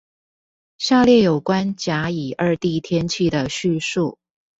下列有關甲、乙二地天氣的敘述